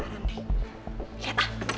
tidak ini dia